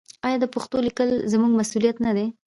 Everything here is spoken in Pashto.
آیا د پښتو لیکل زموږ مسوولیت نه دی؟